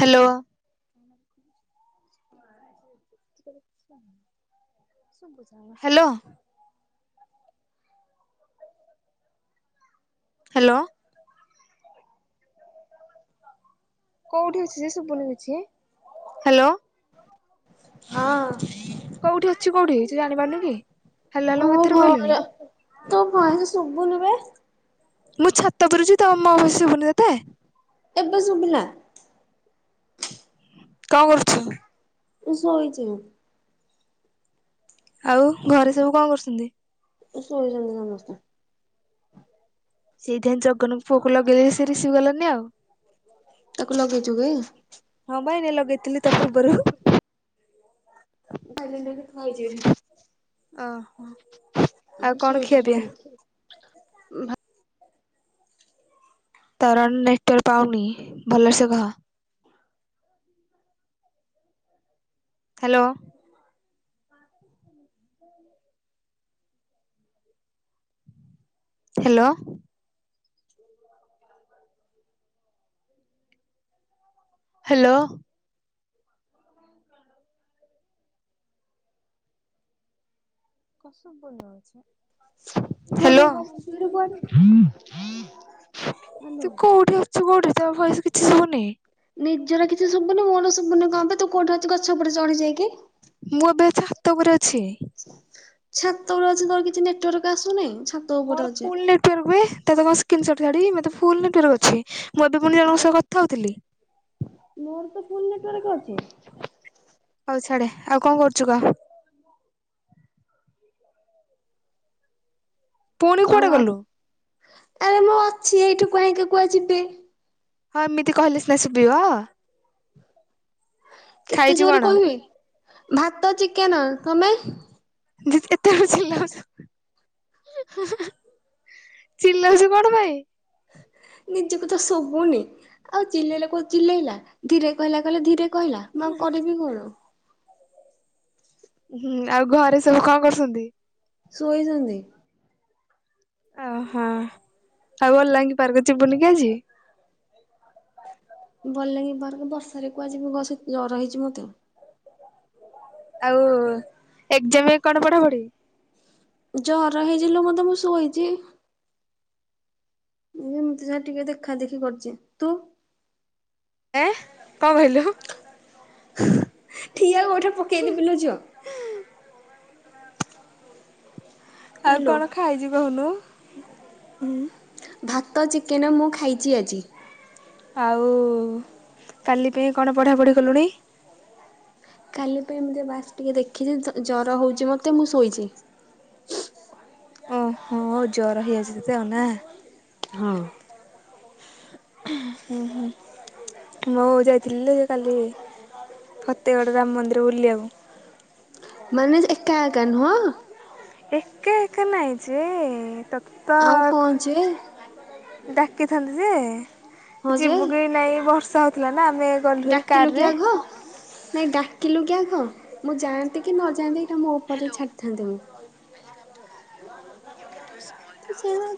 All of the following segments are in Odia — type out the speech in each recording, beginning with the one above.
ହ୍ୟାଲୋ। ହ [inaudible] [inaudible] ହ୍ୟାଲୋ। ହାଲୋ। କୋଉଠି ଅଛି ଯେ ଶୁବୁନି କିଛି ହ୍ୟାଲୋ। ହଁ। କୋଉଠି ଅଛି କୋଉଠି ସେ ଜାଣିପାରୁନି କି? ମୁଁ ଘରେ ତୋ ଭଏସ୍ ଶୁବୁନି ବେ। ମୁଁ ଛାତ ଉପରେ ଅଛି ତମ ଭଏସ୍ ଶୁଭୁନି [unintelligible] ଏବେ ଶୁବିଲା। କଣ କରୁଛୁ? ତୁ ଶୋଇଥିବୁ। ଆଉ ଘରେ ସବୁ କଣ କରୁଛନ୍ତି? ଶୋଇଛନ୍ତି ସମସ୍ତେ। ସେଇଥିପାଇଁ ଜଗନ ପୁଅକୁ ଲଗେଇ ଦେଇଚି ସେ ରିସିଭି କଲାନି ଆଉ। ତାକୁ ଲଗେଇଚୁ କି? ହଁ ବା ଏଇନେ ଲଗେଇଥିଲି ତୋ ପୂର୍ବରୁ। [unintelligible] ଯଦି ଖାଇ ଯିବେ ଓହୋ ଆଉ କଣ ଶୋଇଛୁ ଖିଆପିଆ? ସବୁ। ତର ନେଟୱାର୍କ ପାଉନି ଭଲସେ କହ। ହ୍ୟାଲୋ। ହୁଁ। ହ୍ୟାଲୋ। ହ୍ୟାଲୋ। [unintelligible] ଅଛି। [unintelligible] ତୁ କୋଉଠି ଅଛୁ କୋଉଠି ତୋ ଭଏସ୍ କିଛି ଶୁବୁନି? ନିଜର କିଛି ଶୁବୁନି ମୋର ଶୁବୁନି କଣ ବେ ତୁ କୋଉଠି ଅଛୁ ଗଛ ଉପରେ ଚଢ଼ ଯାଇକି। ମୁଁ ଏବେ ଛାତ ଉପରେ ଅଛି। ଛାତ ଉପରେ ଅଛୁ ତୋର କିଛି ନେଟୱାର୍କ ଆସୁନି ଛା ମୋର ଫୁଲ୍ ନେଟୱାର୍କ ବେ ତତେ କଣ ସ୍କ୍ରିନସଟ୍ ଛାଡ଼ିବି ମୋର ତ ଫୁଲ ନେଟୱାର୍କ ଅଛି। ମୁଁ ଏବେପୁଣି ଜଣଙ୍କ ସହ କଥା ହଉଥିଲି। ମୋର ତ ଫୁଲ୍ ନେଟୱାର୍କ ଅଛି। ହଉ ଛାଡ଼େ ଆଉ କଣ କରୁଛୁ କହ? ପୁଣି କୁଆଡେ ହଉ ଆ ଗଲୁ? ଆରେ ମୁଁ ଅଛି ଏଇଠୁ କାହିଁକି କୁଆଡ଼େ ଯିବି। ହଁ ଏମିତି କହିଲେ ସିନା ଶୁଭିବ। କେତେ ଖାଇଛୁ ଜୋରେ କଣ କହିବି ଭାତ ଚିକେନ ତମେ? ଯେ କେତେ [unintelligible] ଚିଲଉଛୁ କଣ ପାଇଁ? ନିଜକୁ ତ ଶୁଭୁନି ଆଉ ଚିଲେଇଲେ କହୁଚୁ ଚିଲେଇଲା ଧୀରେ କହିଲା କହିଲା ଧୀରେ କହିଲା ମୁଁ ଆଉ କରିବି କଣ? ହୁଁ ଆଉ ଘରେ ସବୁ କଣ କରୁଛନ୍ତି? ଶୋଇଚନ୍ତି। ଓ ହୋ ଆଉ ଅଲାଙ୍କି ପାର୍କ ଯିବୁନି କି ଆଜି? ଭଲ ଲାଗିଲେ ବାହାରକୁ ବର୍ଷାରେ କୁଆଡେ ଯିବୁ ବସେ ଜର ହେଇଛି ମତେ ଆଉ ଏଜାମ୍ ପାଇଁ କଣ ପଢାପଢି? ଜର ହେଇଛି ଲୋ ମତେ ମୁଁ ଶୋଇଛି ଉମ୍ ଏମିତି ଯାହା ଟିକେ ଦେଖାଦେଖି କରିଛି ତୁ? ଏ କଣ କହିଲୁ? ଠିଆ ଗୋଇଠା ପକେଇଦେବି ଲୋ ଝିଅ। ଆଉ ହାଲୋ କଣ ଖାଇଛୁ କହୁନୁ ହୁଁ? ଭାତ ଚିକେନ ମୁଁ ଖାଇଛି ଆଜି ଆଉ-ଉ-ଉ-ଉ କାଲି ପାଇଁ କଣ ପଢ଼ାପଢ଼ି କଲୁଣି? କାଲି ପାଇଁ ମୁଁ ଟିକ ବାସ୍ ଟିକେ ଦେଖିଛି ଜର ହେଉଛି ମୋତେ ମୁଁ ଶୋଇଛି ଓହୋ ଜର ହେଇଆସିଛି ତ ନା। ହଁ ଉ ହୁଁ ହୁଁ। ମୁଁ ଯାଇଥିଲି ଲୋ କାଲି ଫତେଗଡ଼ ରାମ ମନ୍ଦିର ବୁଲିବାକୁ। ମାନେ ଏକା ଏକା ନୁହଁ? ଏକା ଏକା ନାହିଁ ଯେ-ଏ-ଏ ତତେ ତ ଆଉ କଣ ଯେ ଡାକିଥାନ୍ତି ଯେ ହଁ ଯେ ଯିବୁ କି ନାଇଁ ବର୍ଷା ହେଉଥିଲା ନା ଆମେ-ଏ-ଏ ଡାକିଲୁ କି ଆଘ ନାଇଁ ଡାକିଲୁ କି ଆଘ ମୁଁ ଯାଆନ୍ତି କି ନ ଯାଆନ୍ତି ଏଇଟା ମୋ ଉପରେ ଛାଡିଥାନ୍ତେ ମୁଁ। [unintelligible] ତୁ ସେଇଟା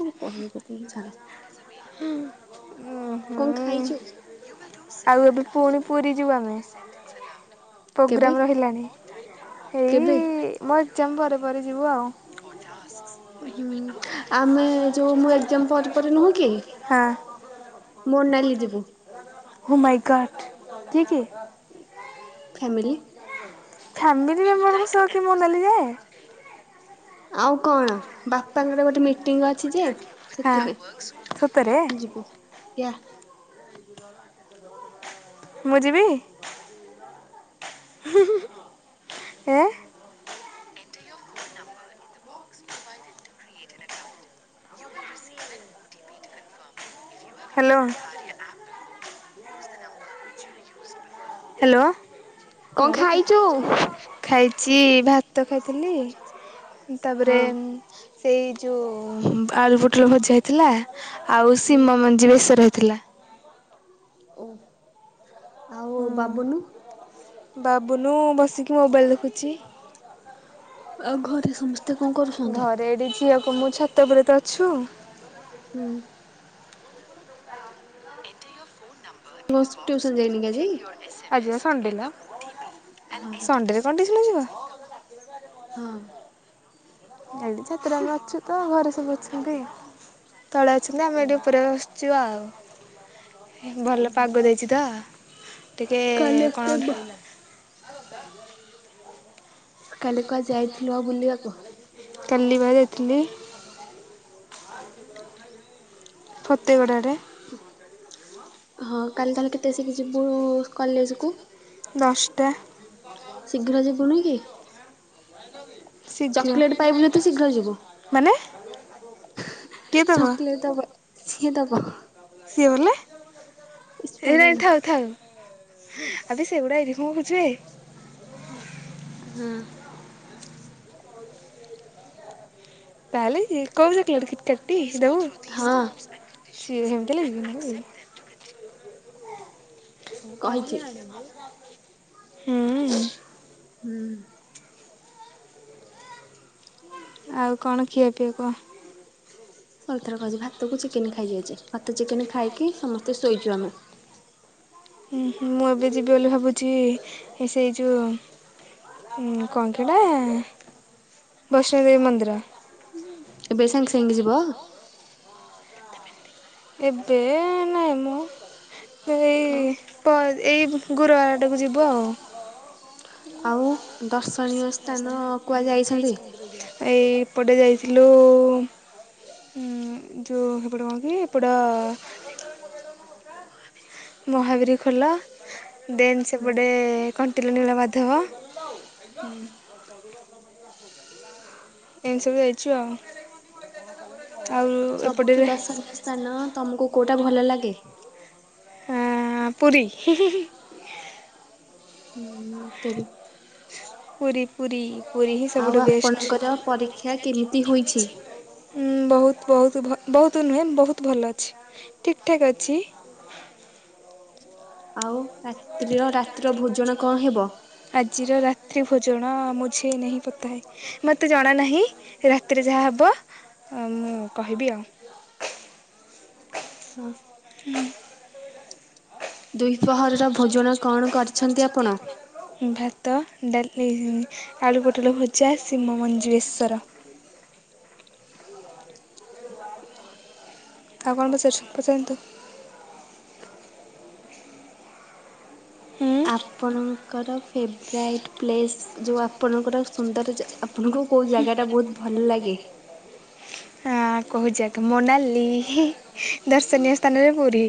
କଣ କହିବି ତତେ ହେ ଛାଡ଼ ଉଁ କଣ ହୁଁ ଖାଇଛୁ? ଆଉ ଏବେ ପୁଣି ପୁରୀ ଯିବୁ ଆମେ। କେବେ ପୋଗ୍ରାମ ରହିଲାଣି କେବେ ଏଇ-ଇ-ଇ ମୋ ଏଗ୍ଜାମ୍ ପରେ ପରେ ଯିବୁ ଆଉ। ହୁଁ ଆମେ ଯୋଉ ମୁଁ ଏକ୍ଜାମ୍ ପରେ ପରେ ନୁହିଁ କି ହଁ ମୋନାଲି ଯିବୁ ଓ ମାଇଁ ଗଟ ସିଏ କିଏ? ଫ୍ୟାମିଲି ଫ୍ୟାମିଲି ମେମ୍ବର ଙ୍କ ସହ କିଏ ମୋନାଲି ଯାଏ? ଆଉ କଣ? ବାପାଙ୍କର ଗୋଟେ ମିଟିଂ ଅଛି ଯେ ହଁ, ସେଥିପାଇଁ ସତରେ? ଇୟା। ଗୁ୍ୱାର ମୁଁ ଯିବି? ହୁଁ ହୁଁ ହୁଁ ହାଲୋ ହାଲୋ କଣ କୁଆଡେ ଖାଇଛୁ ପଳ ଖାଇଛି ଭାତ ଖାଇଥିଲି ହଁ ତାପରେ ଉ-ଉ-ଉ ସେଇ ଯୋଉ ଆଳୁପୋଟଳଭଜା ହେଇଥିଲା ଆଉ ହୁଁ ଶିମମଞ୍ଜି ବେସର ହେଇଥିଲା। ଓ ଆଉ-ଉ-ଉ ହୁଁ ବାବୁନୁ? ବାବୁନୁ ବସିକି ମୋବାଇଲ୍ ଦେଖୁଛି। ଆଉ ଘରେ ସମସ୍ତେ ତୁ କଣ କରୁଛୁ? ଘରେ ଏଠି ଝିଅକୁ ମୁଁ ଛାତ ଉପରେ ତ ଅଛୁ। ହୁଁ। ପୁଅ ହ୍ୟୁସନ୍ ଯାଇନି କି ଆଜି? ଆଜିିବା ସଣ୍ଡେ ଲୋ। ହଁରେ ସଣ୍ଡେରେ କଣ ଟ୍ୟୁସନ ଯିବ? ହଁ। ଏଠି ଛାତରେ ଆମେ ଅଛୁ ତ, ଘରେ ସବୁ ଅଛନ୍ତି। ତଳେ ଅଛନ୍ତି ଆମେ ଏଠି ଉପରେ ବ ଛୁ ଆଉ। ଭଲ ପାଗ ଦେଇଛି ତ। ଟିକେ କାଲି ଏତେ କଣ ବ ଆଉଟା [unintelligible] କାଲି କୁଆଡେ ଯାଇଥିଲୁ ବୁଲିବାକୁ? କାଲିବା ଯାଇଥିଲି। ଫତେଇ ଗୁଡା ଆଡ଼େ। ହଁ କାଲି ତାହେଲେ କେତେ ସିଗୀ- ଯିବୁ କଲେଜ କୁ? ଦଶଟା। ଶୀଘ୍ର ଯିବୁନି କି? ଶୀଘ୍ର ଚକୋଲେଟ୍ ପାଇବୁ ଜଦୀ ଶୀଘ୍ର ଯିବୁ। ମାନେ? କିଏ ଦବ ଚକଲେଟ ଦବ, ସିଏ ଦବ। ସିଏ ବଲେ ଏ ନା ସ୍ପନ୍ଦନ ଥାଉ ଥାଉ। ଆବେ ସେଗୁଡା ଏଇଠି କଣ ଖୋଜିବେ? ହୁଁ। ପଲି କଉବଜା କ ଲ କି କାଟି ଦେଉ [unintelligible] ହଁ। ସିଏ ହେମତୀ ହେଲା କି କହିଛି। ହୁଁ ଉଁ। ହୁଁ। ଆଉ କଣ ଖିଆ ପିଆ କହ? ସହେ ଥର କହିଛି ଭାତ କୁ ଚିକେନ୍ ଖାଇ ଯାଇଛି। ଭାତ ଚିକେନ୍ ଖାଇକି ସମସ୍ତେ ଶୋଇଛୁ ଆମେ। ହୁଁ ହୁଁ। ମୁଁ ଏବେ ଯିବି ବୋଲି ଭାବୁଛି ଏ ସେଇ ଯୋଉ ହଁ କଣ ଟି ହେଟା, ବୈଷ୍ଣ ଦେବୀ ମନ୍ଦିର। ଏବେ ସାଙ୍ଗେ ସାଙ୍ଗେ ଯିବ? ଏବେ ନାଇଁ ମ, ଆଉ ଏଇ ତ ଏଇ ଗୁର ଆଡକୁ ଯିବ ଆଉ। ଆଉ ଦର୍ଶନୀୟ ସ୍ଥାନ କୁଆଡେଯାଇଛନ୍ତି? ଏଇପଟେ ଯାଇଥିଲୁ ହୁଁ ଯୋ ହେପଡ଼ କଣ କି, ଏପଟ ମହାବୀର ଖୋଲ। ଦେନ୍ ହୁଁ ସେପଟେ କଣ୍ଟିଲ ନୀଳ ମାଧବ। ହୁଁ। ଶରୀର ସମ୍ଧ ଏମିତି ସବୁ ଯାଇଛୁ ଆଉ। ଆଉ ଏପଟରେ ସାନ ତମକୁ କୋଉଟା ଭଲ ଲାଗେ? ପୁରୀ। ହୁଁ ମତେ ବି। ପୁରୀ ପୁରୀ। ପୁରୀ ହିଁ ଆଉ ସବୁଠୁ ବେଷ୍ଟ। ଆପଣଙ୍କର ପରୀକ୍ଷା କେମିତି ହୋଇଛି? ବୋହୁତ୍ ବୋହୁତ୍, ଭ- ବୋହୁତ୍ ନୁହେଁ ବୋହୁତ୍ ଭଲ ଅଛି। ଠିକ୍ ଠାକ୍ ଅଛି। ଆଉ ରାତ୍ରିର ରାତ୍ରି ଭୋଜନ କଣ ହେବ? ଆଜିର ରାତ୍ରି ଭୋଜନ ମୁଝେ ନେହି ପତାହେ। ମୋତେ ଜଣା ନାହିଁ ରାତିରେ ଯାହାହବ ମୁଁ କହିବି ଆଉ। ହଁ ହୁଁ। ଦ୍ୱିପହରର ଭୋଜନ କଣ କରିଛନ୍ତି ଆପଣ? ଭାତ ଡାଲି ଉଁ ଆଳୁ ପୋଟଳ ଭଜା ଶିମ ମଞ୍ଜି ବେଶର। ଆଉ କଣ ପଚାରୁଚନ୍ତି ପଚାରନ୍ତୁ। ହୁଁ ଆପଣଙ୍କର ଫେବରାଇଟ୍ ପ୍ଲେସ୍? ଯଉଁ ଆପଣଙ୍କର ସୁନ୍ଦର ଆପଣଙ୍କୁ କୋଉଁ ଜାଗା ଟା ବହୁତ ଭଲ ଲାଗେ? ହ କହୁଛି ଆପଣଙ୍କ ନା ଲିଲି ଦର୍ଶନୀୟ ସ୍ଥାନରେ ପୁରୀ।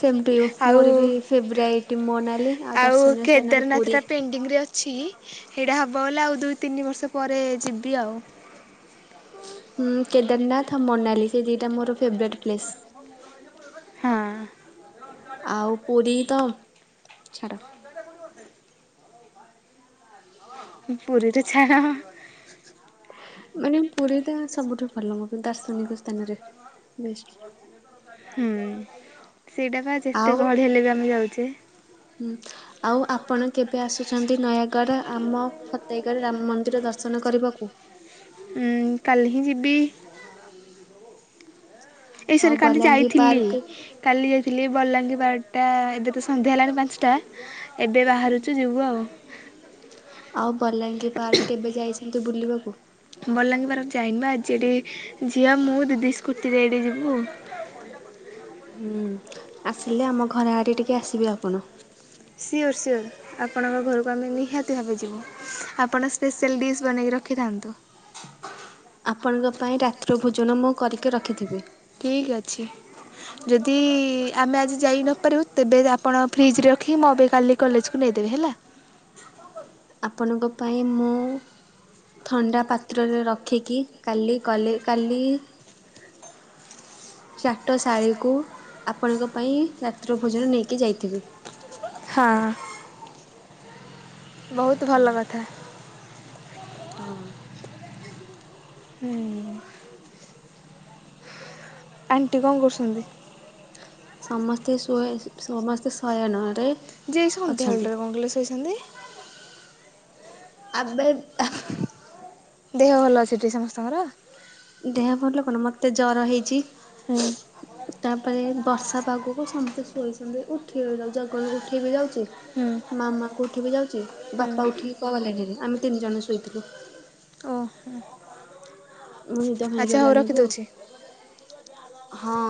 ସେମତି ଆଉ ମୋର ବି ଫେବୃଆର ମୋନାଲି। ଆଉ ଦର୍ଶନୀୟ ସ୍ଥାନରେ କେଦାରନାଥ ପୁରୀ। ଟା ତ ଉ ୱେଟିଙ୍ଗ ରେ ଅଛି ହେଇଟା ହେବ ବୋଲେ ଆଉ ଦୁଇ ତିନି ବର୍ଷ ପରେ ଯିବି ଆଉ। ହୁଁ କେଦାରନାଥ ମନାଲି ସେ ଦିଟା ମୋର ଫେବରେଟ୍ ପ୍ଲେସ। ହଁ। ଆଉ ପୁରୀ ତ ଛାଡ଼। ପୁରୀ ରେ ଛାଡ଼। ମାନେ ପୁରୀଟା ସବୁଠୁ ଭଲ ମ ଦାର୍ଶନିକ ସ୍ଥାନରେ ବି ହୁଁ ସେଇଟା ବା ଯେତେ ଆଉ ଗହଳି ହେଲେ ବି ଆମେ ଯାଉଚେ। ହୁଁ। ଆଉ ଆପଣ କେବେ ଆସୁଛନ୍ତି ନୟାଗଡ଼ ଆମ ଫତେଗଡ଼ ରାମ ମନ୍ଦିର ଦର୍ଶନ କରିବାକୁ? ହୁଁ କାଲି ହିଁ ଯିିବି। ଏଇ ଆଉ ଶୁଣ କାଲି ବଲାଙ୍ଗୀ ଯାଇଥିଲି ପାର୍କ କାଲି ଯାଇଥିଲି ବଲାଙ୍ଗୀର ବାରଟା ଏବେ ତ ସନ୍ଧ୍ୟା ହେଲାଣି ପାଞ୍ଚଟା ଏବେ ବାହାରୁଚୁ ଯିବୁ ଆଉ। ଆଉ ବଲାଙ୍ଗିର ପାର୍କ କେବେ ଯାଇଛନ୍ତି ବୁଲିବାକୁ? ବଲାଙ୍ଗୀର ପାର୍କ ଯାଇନି ବା ଆଜି ଏଠି ଝିଅ ମୁଁ ଦିଦି ସ୍କୁଟିରେ ଏଇଠି ଯିବୁ। ହୁଁ ଆସିଲେ ଆମ ଘରେ ଆଡ଼େ ଟିକେ ଆସିବେ ଆପଣ। Sure sure. ଆପଣଙ୍କ ଘରକୁ ଆମେ ନିହାତି ଭାବେ ଯିବୁ ଆପଣ ସ୍ପେଶିଆଲ୍ ଡିସ୍ ବନେଇକି ରଖିଥାନ୍ତୁ। ଆପଣଙ୍କ ପାଇଁ ରାତ୍ର ଭୋଜନ ମୁଁ କରିକି ରଖିଥିବି। ଠିକ୍ ଅଛି। ଯଦି ଆମେ ଆଜି ଯାଇ ନପାରିବୁ ତେବେ ଆପଣ ଫ୍ରିଜ ରେ ରଖିକି ମୋ ପାଇଁ କାଲି କଲେଜକୁ ନେଇଦେବେ ହେଲା। ଆପଣଙ୍କ ପାଇଁ ମୁଁ ଥଣ୍ଡା ପାତ୍ରରେ ରଖିକି କାଲି କଲେ କାଲି ଚାଟ ଶାଳୀକୁୁ ଆପଣଙ୍କ ପାଇଁ ରାତ୍ର ଭୋଜନ ନେଇକି ଯାଇଥିବି। ହଁ। ବହୁତ ହଁ ଭଲ କଥା। ହଁ। ହୁଁ। ଆଣ୍ଟି କଣ କରୁଛନ୍ତି? ସମସ୍ତେ ସୋଏ ସମସ୍ତେ ଶୟନ ରେ। ଯେ ଏ ସନ୍ଧ୍ୟା ବେଳଟାରେ ହଣ କିଲୋ ସୋଇଛନ୍ତି। ଆବେ ଆଃ। ଦେହ ଭଲ ଅଛି ଟି ସମସ୍ତଙ୍କର? ଦେହ ଭଲ କଣ ମତେ ଜର ହେଇଚି। ହୁଁ। ତାପରେ ବର୍ଷା ପାଗକୁ ସମସ୍ତେ ଶୋଇଛନ୍ତି ଉଠେଇ ଯାଉଛି ଜଗଲକୁ ଉଠେଇ ବିି ଯାଉଚି। ହୁଁ ମାମା ଙ୍କୁ ଉଠି ବି ଯାଉଛି ବାପା ହୁଁ ଉଠିକି କୁଆ ଗଲାଣିରେ ଆମେ ତିନି ଜଣ ଶୋଇଥିଲୁ। ଓ ହୋ ମୁଁ ନିଦ ଭାଙ୍ଗୀ ଗଲାଣି ଏବେ ଆଉ ହଁ